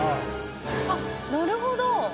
あっなるほど！